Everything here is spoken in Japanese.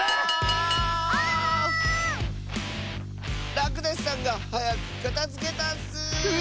らくだしさんがはやくかたづけたッス！